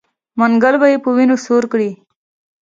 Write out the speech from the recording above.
منګل به یې په وینو سور کړي.